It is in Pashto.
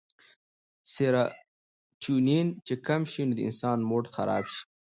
سيراټونين چې کم شي نو د انسان موډ خراب شي